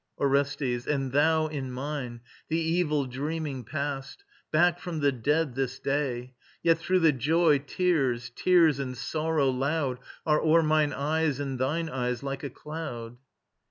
ORESTES. And thou in mine, the evil dreaming past, Back from the dead this day! Yet through the joy tears, tears and sorrow loud Are o'er mine eyes and thine eyes, like a cloud.